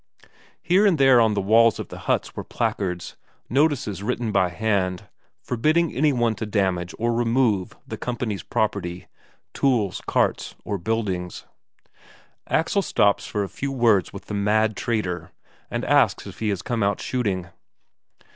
Here and there on the walls of the huts were placards, notices written by hand, forbidding any one to damage or remove the company's property tools, carts, or buildings. Axel stops for a few words with the mad trader, and asks if he has come out shooting.